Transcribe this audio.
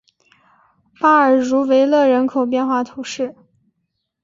巴尔茹维勒人口变化图示